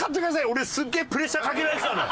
俺すげえプレッシャーかけられてたの。